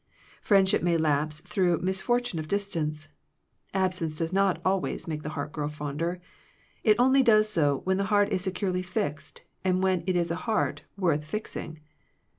Friendship may lapse through the mis^ fortune of distance. Absence does not always make the heart grow fonder. It only does so, when the heart is securely fixed, and when it is a heart worth fix ing.